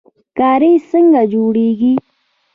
کاریز څنګه جوړیږي؟